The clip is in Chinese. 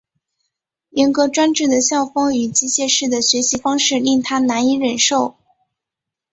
严格专制的校风与机械式的学习方式令他难以忍受。